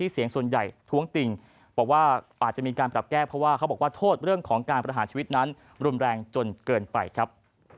สวัสดีครับ